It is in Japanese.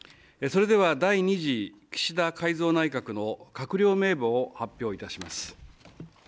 それでは第２次岸田改造内閣の閣僚名簿を発表いたします。